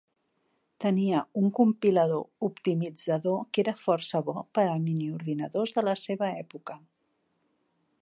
Tenia un compilador optimitzador que era força bo per a miniordinadors de la seva època.